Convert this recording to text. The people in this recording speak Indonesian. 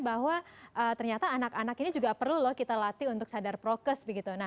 bahwa ternyata anak anak ini juga perlu loh kita latih untuk sadar prokes